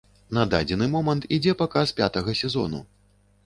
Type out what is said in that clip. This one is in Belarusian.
На дадзены момант ідзе паказ пятага сезону.